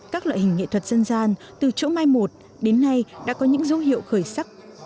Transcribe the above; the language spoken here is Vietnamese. các loại hình nghệ thuật dân gian từ chỗ mai một đến nay đã có những dấu hiệu khởi sắc